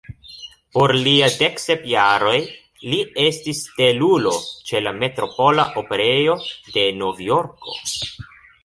Por lia dek sep jaroj, li estis stelulo ĉe la Metropola Operejo de Novjorko.